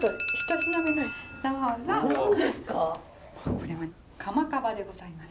これはカマカバでございます。